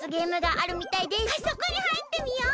あそこにはいってみよう！